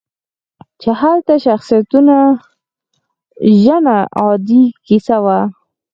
چې هلته شخصیتوژنه عادي کیسه وه.